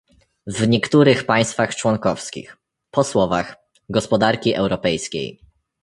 "w niektórych państwach członkowskich" po słowach "gospodarki europejskiej